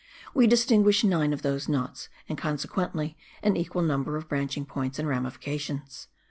We distinguish nine of those knots, and consequently an equal number of branching points and ramifications.